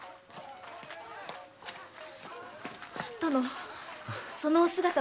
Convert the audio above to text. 殿そのお姿は？